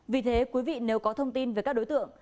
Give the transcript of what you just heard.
vì thế quý vị nếu có thông tin về các đối tượng